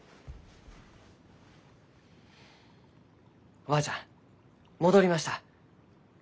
おばあちゃん戻りました。